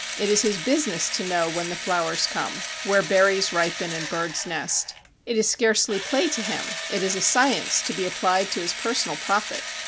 It is his business to know when the flowers come, where berries ripen and birds nest. It is scarcely play to him, it is a science to be applied to his personal profit.